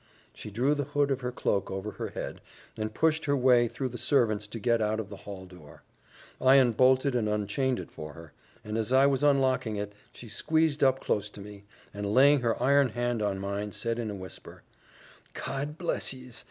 She drew the hood of her cloak over her head, and pushed her way through the servants to get out of the hall door; I unbolted and unchained it for her, and as I was unlocking it, she squeezed up close to me, and laying her iron hand on mine, said in a whisper, "God bless yees!